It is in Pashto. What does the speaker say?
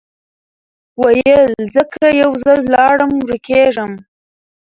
ویل زه که یو ځل ولاړمه ورکېږم